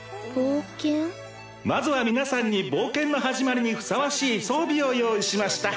まずは皆さんに冒険の始まりにふさわしい装備を用意しました。